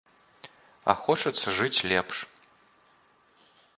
А хочацца жыць лепш.